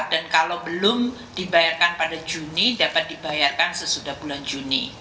dan kalau belum dibayarkan pada juni dapat dibayarkan sesudah bulan juni